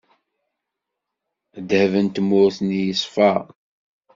Ddheb n tmurt-nni yeṣfa.